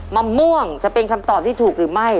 มะม่วงจะเป็นคำตอบที่ถูกหรือไม่